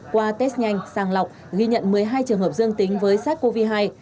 qua test nhanh sàng lọc ghi nhận một mươi hai trường hợp dương tính với sars cov hai